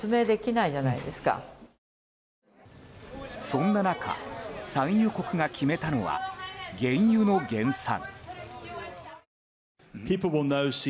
そんな中、産油国が決めたのは原油の減産。